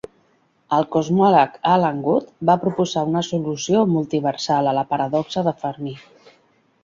El cosmòleg Alan Guth va proposar una solució multiversal a la paradoxa de Fermi.